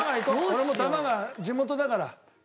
俺も多摩川地元だから。